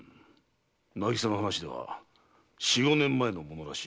渚の話では四五年前のものらしい。